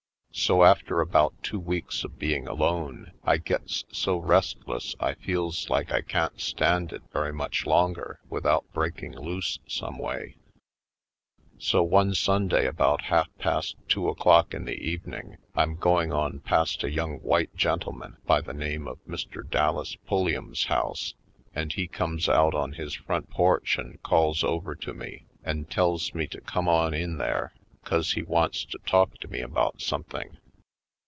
So, after about two weeks of being alone, I gets so restless I feels like I can't stand it very much longer without breaking loose someway. So one Sunday about half past two o'clock in the evening, I'm going on past a young white gentleman by the name of Mr. Dallas Pulliam's house and he comes out on his front porch and calls over to me and tells me to come on in there Down Yonder 17 'cause he wants to talk to me about some thing.